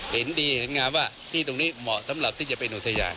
เห็นดีเห็นงามว่าที่ตรงนี้เหมาะสำหรับที่จะเป็นอุทยาน